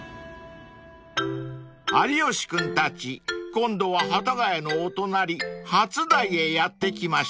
［有吉君たち今度は幡ヶ谷のお隣初台へやって来ました］